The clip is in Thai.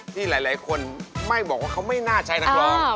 ที่หลายคนไม่บอกว่าเขาไม่น่าใช้นักร้อง